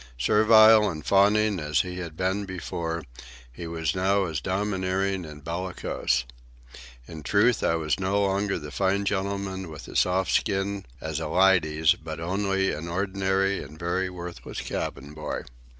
Servile and fawning as he had been before, he was now as domineering and bellicose. In truth, I was no longer the fine gentleman with a skin soft as a "lydy's," but only an ordinary and very worthless cabin boy.